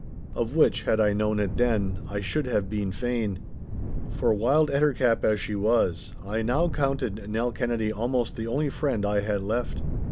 Of which, had I known it then, I should have been fain. For, wild ettercap as she was, I now counted Nell Kennedy almost the only friend I had left.